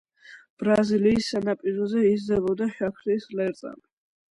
ბრაზილიის სანაპიროზე იზრდებოდა შაქრის ლერწამი.